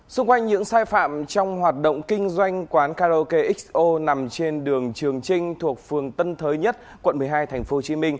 xung quanh những sai phạm trong hoạt động kinh doanh quán karaoke xo nằm trên đường trường trinh thuộc phường tân thới nhất quận một mươi hai tp hcm